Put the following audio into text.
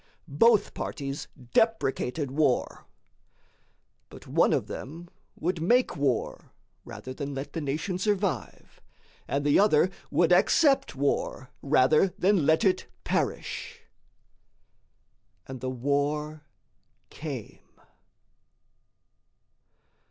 Both parties deprecated war; but one of them would make war rather than let the nation survive; and the other would accept war rather than let it perish. And the war came.